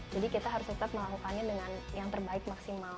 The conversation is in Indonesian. jadi kita harus tetap melakukannya dengan yang terbaik maksimal